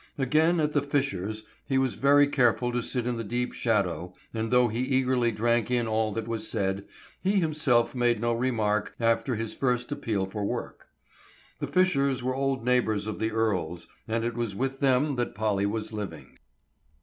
Again at the Fishers' he was very careful to sit in the deep shadow, and though he eagerly drank in all that was said, he himself made no remark after his first appeal for work. The Fishers were old neighbors of the Earles, and it was with them that Polly was living.